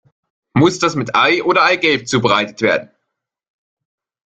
Muss das mit Ei oder Eigelb zubereitet werden?